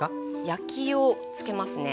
焼きをつけますね。